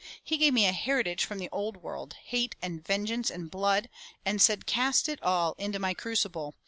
He gave me a heritage from the old world, hate and vengeance and blood, and said, *Cast it all into my crucible.'